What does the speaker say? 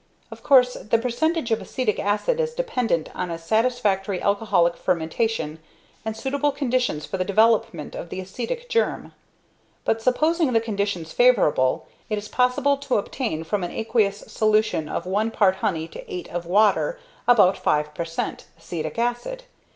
Of course, the percentage of acetic acid is dependent on a satisfactory alcoholic fermentation and suitable conditions for the development of the acetic germ; but, supposing the conditions favourable, it is possible to obtain from an aqueous solution of 1 part honey to 8 of water, about 5 per cent. acetic acid.